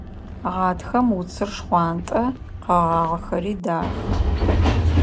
Гъатхэм уцыр шхъуантӀэ, къэгъагъэхэри дахэ.